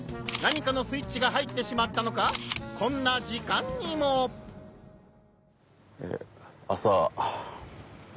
何かのスイッチが入ってしまったのかこんな時間にもえぇ。